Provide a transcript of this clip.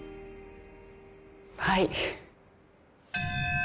はい。